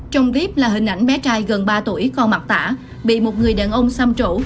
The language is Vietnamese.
trong clip là hình ảnh bé trai gần ba tuổi con mặt tả bị một người đàn ông xăm trổ